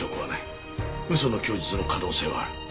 嘘の供述の可能性はある。